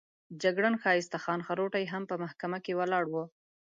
جګړن ښایسته خان خروټی هم په محکمه کې ولاړ وو.